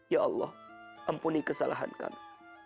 ya allah ampuni kesalahan kami